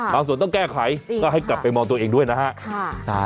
ส่วนต้องแก้ไขก็ให้กลับไปมองตัวเองด้วยนะฮะ